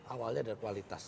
awalnya dari kualitas